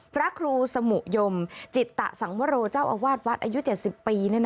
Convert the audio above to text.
พระครูสมุยมจิตตสังวโรเจ้าอาวาสวัดอายุ๗๐ปี